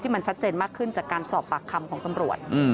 มันชัดเจนมากขึ้นจากการสอบปากคำของตำรวจ